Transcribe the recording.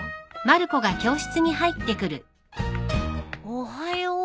おはよう。